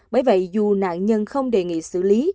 bởi vậy dù nạn nhân không đề nghị xử lý